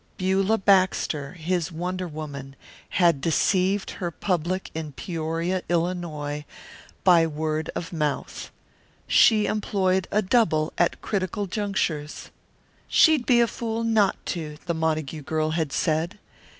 Beulah Baxter, his wonder woman, had deceived her public in Peoria, Illinois, by word of mouth. She employed a double at critical junctures. "She'd be a fool not to," the Montague girl had said.